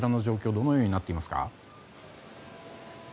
どのようになってますか？